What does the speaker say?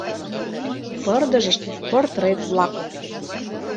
Пырдыжыште — портрет-влак.